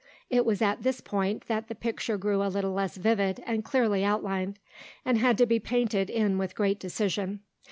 It was at this point that the picture grew a little less vivid and clearly outlined, and had to be painted in with great decision.